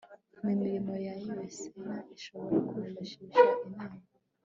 mu mirimo yayo sena ishobora kwifashisha inama